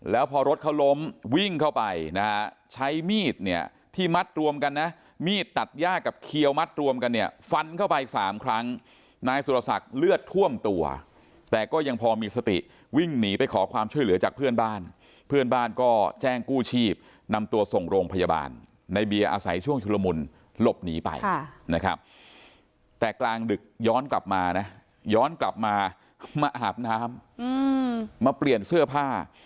แล้วพอรถเขาล้มวิ่งเข้าไปใช้มีดที่มัดรวมกันมีดตัดย่ากับเคียวมัดรวมกันฟันเข้าไปสามครั้งนายสุรสักเลือดท่วมตัวแต่ก็ยังพอมีสติวิ่งหนีไปขอความช่วยเหลือจากเพื่อนบ้านเพื่อนบ้านก็แจ้งกู้ชีพนำตัวส่งโรงพยาบาลในเบียอาศัยช่วงชุดละมุนหลบหนีไปแต่กลางดึกย้อนกลับมาย้อนกลับมา